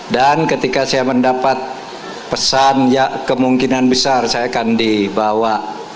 dan ketika saya mendapat pesan kemungkinan besar saya akan dibawa